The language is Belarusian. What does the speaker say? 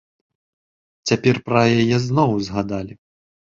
Цяпер пра яе зноў узгадалі.